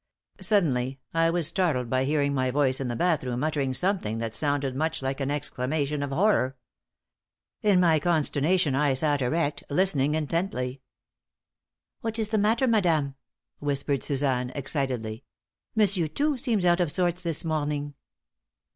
Suddenly, I was startled by hearing my voice in the bathroom uttering something that sounded much like an exclamation of horror. In my consternation I sat erect, listening intently. "What is the matter, madame?" whispered Suzanne, excitedly. "Monsieur, too, seems out of sorts this morning."